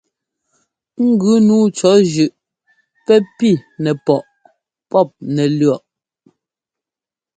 Ŋgʉ nǔu cɔ̌ zʉꞌ pɛ́ pi nɛpɔꞌ pɔ́p nɛlʉ̈ɔꞌ.